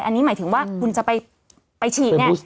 อันนี้หมายถึงว่าคุณจะไปฉีดเนี่ย